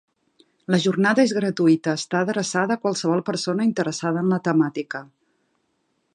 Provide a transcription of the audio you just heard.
La jornada és gratuïta està adreçada a qualsevol persona interessada en la temàtica.